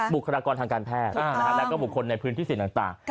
บุคลากรทางการแพทย์แล้วก็บุคคลในพื้นที่เสี่ยงต่าง